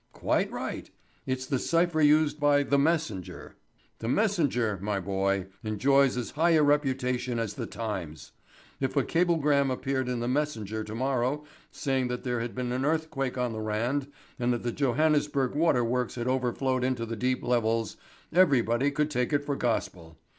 "Quite right; it's the cypher used by The Messenger. The Messenger, my boy, enjoys as high a reputation as The Times. If a cablegram appeared in The Messenger to morrow saying that there had been an earthquake on the Rand, and that the Johannesburg water works had overflowed into the deep levels everybody could take it for gospel.